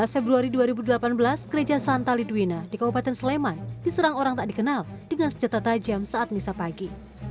dua belas februari dua ribu delapan belas gereja santa lidwina di kabupaten sleman diserang orang tak dikenal dengan senjata tajam saat misa pagi